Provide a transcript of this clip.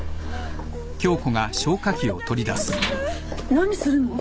何するの？